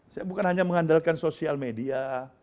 saya bukan hanya mengandalkan sosial media